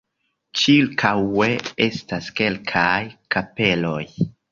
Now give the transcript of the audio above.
Ĉirkaŭe estas kelkaj kapeloj.